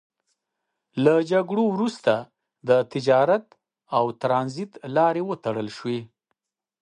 له جګړو وروسته د تجارت او ترانزیت لارې وتړل شوې.